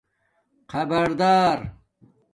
خبردار